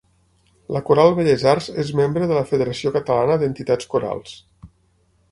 La Coral Belles Arts és membre de la Federació Catalana d'Entitats Corals.